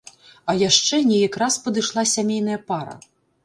А яшчэ неяк раз падышла сямейная пара.